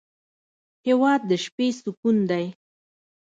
هېواد د شپې سکون دی.